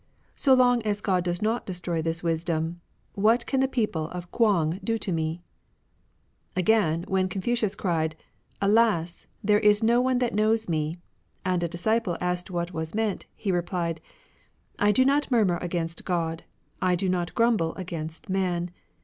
So long as God does not destroy this wisdom, what can the people of K'uang do to me ?" Again, when Confucius cried, " Alas ! there is no one that knows me," and a disciple asked what was meant, he replied, ^' I do not murmur against God. I do not grumble against man.